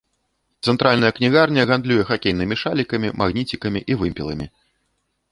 Цэнтральная кнігарня гандлюе хакейнымі шалікамі, магніцікамі і вымпеламі.